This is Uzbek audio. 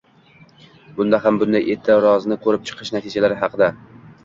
hamda bunday e’tirozni ko‘rib chiqish natijalari haqida